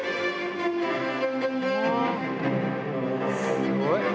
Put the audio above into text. すごいね。